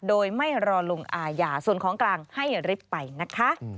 โดยไม่รอลงอาญาส่วนของกลางให้ริบไปนะคะ